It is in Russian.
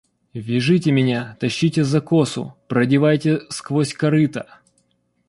Вяжите меня! тащите за косу! продевайте сквозь корыто!